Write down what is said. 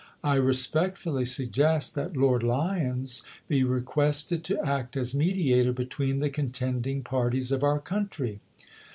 I LincoiS respectfully suggest that Lord Lyons be requested w.'r^' voi: to act as mediator between the contending parties "589/ ' of our country."